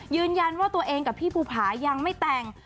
ยืนยันว่าตัวเองกับพี่ภูผายังไม่แต่ง